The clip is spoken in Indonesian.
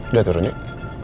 udah turun yuk